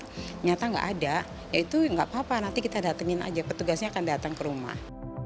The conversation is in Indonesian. ternyata tidak ada ya itu tidak apa apa nanti kita datangkan saja petugasnya akan datang ke rumah